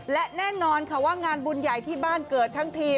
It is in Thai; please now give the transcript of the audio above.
และแน่นอนค่ะว่างานบุญใหญ่ที่บ้านเกิดทั้งที